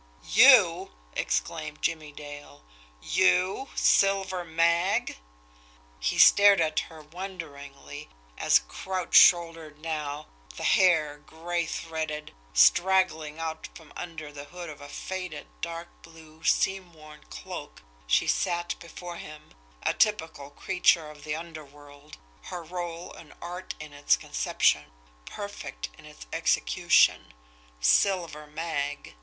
"You!" exclaimed Jimmie Dale. "You Silver Mag!" He stared at her wonderingly, as, crouch shouldered now, the hair, gray threaded, straggling out from under the hood of a faded, dark blue, seam worn cloak, she sat before him, a typical creature of the underworld, her role an art in its conception, perfect in its execution. Silver Mag!